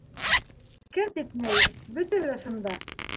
— Кем тип ни, бөтәһе лә шунда.